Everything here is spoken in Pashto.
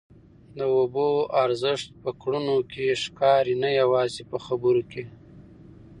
د اوبو ارزښت په کړنو کي ښکاري نه یوازي په خبرو کي.